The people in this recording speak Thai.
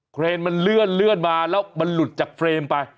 เครนมันเลื่อนมาแล้วมันหลุดจากเฟรมไป